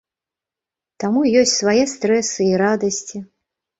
Таму ёсць свае стрэсы, і радасці.